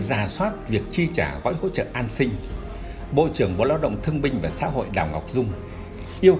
giả soát việc chi trả gói hỗ trợ an sinh bộ trưởng bộ lao động thương binh và xã hội đào ngọc dung yêu